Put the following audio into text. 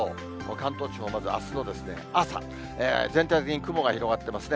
関東地方のあすの朝、全体的に雲が広がってますね。